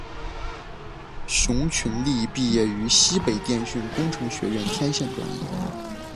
熊群力毕业于西北电讯工程学院天线专业。